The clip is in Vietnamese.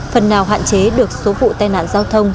phần nào hạn chế được số vụ tai nạn giao thông